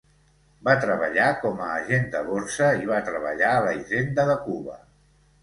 Va treballar com a agent de borsa i va treballar a la hisenda de Cuba.